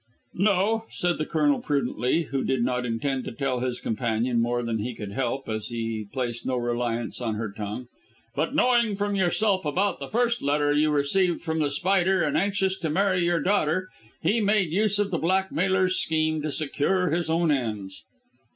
"No," said the Colonel prudently, who did not intend to tell his companion more than he could help, as he placed no reliance on her tongue; "but, knowing from yourself about the first letter you received from The Spider, and anxious to marry your daughter, he made use of the blackmailer's scheme to secure his own ends."